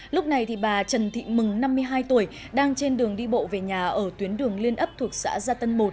lúc này bà trần thị mừng năm mươi hai tuổi đang trên đường đi bộ về nhà ở tuyến đường liên ấp thuộc xã gia tân một